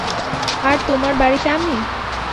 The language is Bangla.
আর তোমার বাড়িতে আমি?